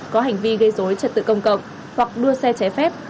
có hành vi gây dối trật tự công cộng hoặc đua xe trái phép